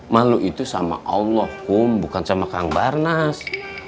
malu itu sama allah kum bukan sama kang barnas